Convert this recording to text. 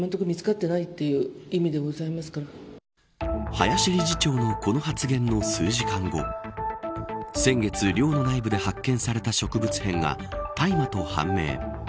林理事長のこの発言の数時間後先月、寮の内部で発見された植物片が大麻と判明。